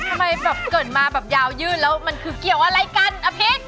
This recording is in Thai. ทำไมแบบเกิดมาแบบยาวยื่นแล้วมันคือเกี่ยวอะไรกันอภิก